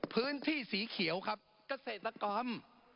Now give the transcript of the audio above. พื้นที่สีเขียวครับกระเศษรกรรม